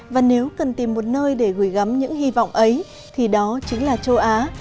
và nếu cần tìm một nơi để gửi gắm những hy vọng ấy thì đó chính là châu á